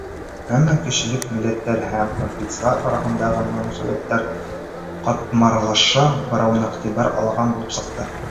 Әммә кешелек милләттәр һәм конфессиялар араһындағы мөнәсәбәттәрҙең ҡатмарлаша барыуын иғтибарға алмаған булып сыҡты.